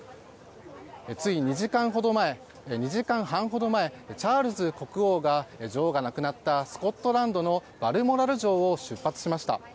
つい２時間半ほど前チャールズ国王が女王が亡くなったスコットランドのバルモラル城を出発しました。